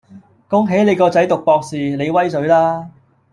恭喜你個仔讀博士，你威水啦